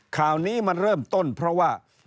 ข่าวนี้มันเริ่มต้นเพราะว่า